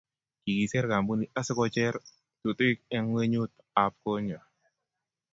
Kikiser kampunit asikocher tutuik eng ngwenyut ab konyo